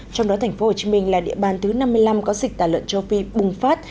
trong đó thành phố hồ chí minh là địa bàn thứ năm mươi năm có dịch tả lợn châu phi bùng phát